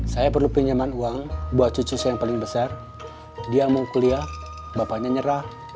saya perlu pinjaman uang buat cucu saya yang paling besar dia mau kuliah bapaknya nyerah